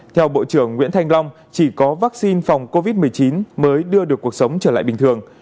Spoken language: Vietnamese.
theo bộ trưởng nguyễn thanh long chỉ có vaccine phòng covid một mươi chín mới đưa được cuộc sống trở lại bình thường